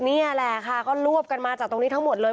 นี่แหละค่ะก็รวบกันมาจากตรงนี้ทั้งหมดเลย